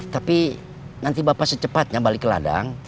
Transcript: tapi nanti bapak secepatnya balik ke ladang